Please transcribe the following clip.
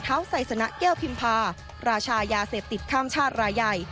ไซสนะแก้วพิมพาราชายาเสพติดข้ามชาติรายใหญ่